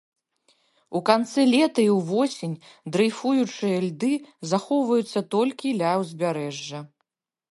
У канцы лета і ўвосень дрэйфуючыя льды захоўваюцца толькі ля ўзбярэжжа.